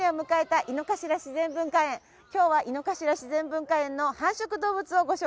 今日は井の頭自然文化園の繁殖動物をご紹介します。